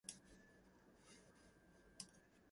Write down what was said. Bakan then pursued a master's degree at Harvard Law School.